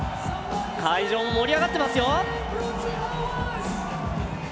会場も盛り上がってますよ